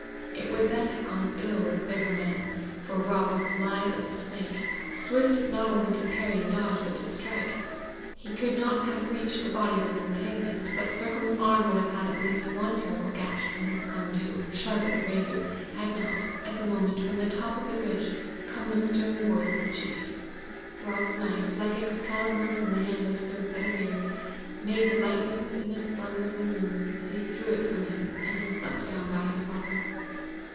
It would then have gone ill with the bigger man, for Rob was lithe as a snake, swift not only to parry and dodge but to strike; he could not have reached the body of his antagonist, but Sercombe's arm would have had at least one terrible gash from his skean dhu, sharp as a razor, had not, at the moment, from the top of the ridge come the stern voice of the chief. Rob's knife, like Excalibur from the hand of Sir Bedivere, "made lightnings in the splendour of the moon," as he threw it from him, and himself down by his father.